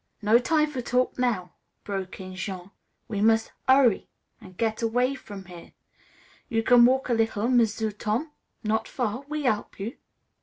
"No time for talk now," broke in Jean. "We mus' 'urry, an' get way off from here. You can walk a little, M'sieu' Tom? Not far? We 'elp you.